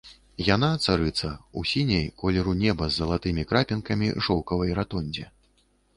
Яна, царыца, у сіняй, колеру неба з залатымі крапінкамі, шоўкавай ратондзе.